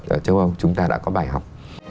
ở châu âu chúng ta đã có bài học